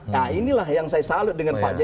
nah inilah yang saya salut dengan pak jokowi